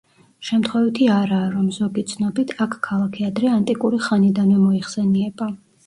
შემთხვევითი არაა, რომ ზოგი ცნობით აქ ქალაქი ადრე ანტიკური ხანიდანვე მოიხსენიება.